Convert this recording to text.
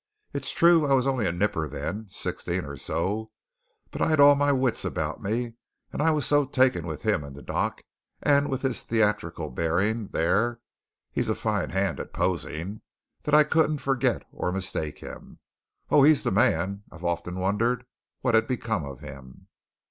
It's true I was only a nipper then sixteen or so but I'd all my wits about me, and I was so taken with him in the dock, and with his theatrical bearing there he's a fine hand at posing that I couldn't forget or mistake him. Oh, he's the man! I've often wondered what had become of him."